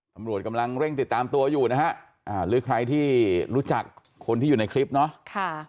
ตำรวจกำลังเร่งติดตามตัวอยู่นะฮะหรือใครที่รู้จักคนที่อยู่ในคลิปเนาะ